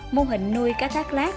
mô hình nuôi cá thác lát